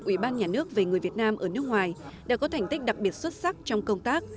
ủy ban nhà nước về người việt nam ở nước ngoài đã có thành tích đặc biệt xuất sắc trong công tác